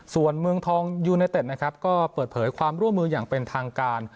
ส่วนเมืองทองยูเนเต็ดนะครับก็เปิดเผยความร่วมมืออย่างเป็นทางการ